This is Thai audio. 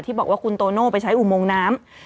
บอกว่าคุณโตโน่ไปใช้อุโมงน้ำ